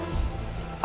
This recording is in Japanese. あ？